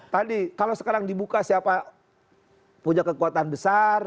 tadi kalau sekarang dibuka siapa punya kekuatan besar